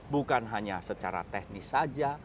bukan hanya secara teknis saja